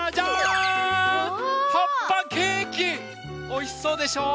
おいしそうでしょ？